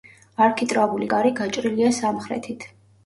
არქიტრავული კარი გაჭრილია სამხრეთით.